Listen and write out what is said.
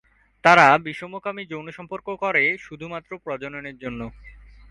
তারা বিষমকামী যৌন সম্পর্ক করে শুধুমাত্র প্রজননের জন্য।